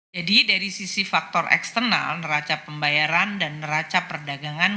jadi dari sisi faktor eksternal neraca pembayaran dan neraca perdagangan